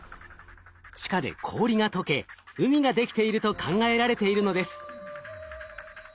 地下で氷がとけ海が出来ていると考えられているのです。